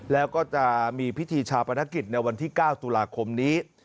แล้วก็จะมีพิธีชาปนกิจในวันที่๙ตุลาคมนี้